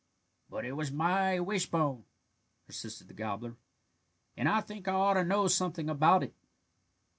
"But it was my wishbone," persisted the gobbler, "and I think I ought to know something about it."